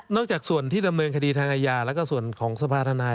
จากส่วนที่ดำเนินคดีทางอาญาแล้วก็ส่วนของสภาธนาย